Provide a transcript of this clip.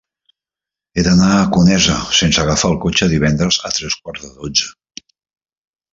He d'anar a Conesa sense agafar el cotxe divendres a tres quarts de dotze.